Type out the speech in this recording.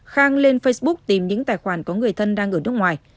khang lên facebook tìm những tài khoản có người thân đang ở nước ngoài